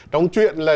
trong chuyện là